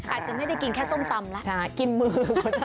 อาจจะไม่ได้กินแค่ส้มตำล่ะใช่แค่กินมือ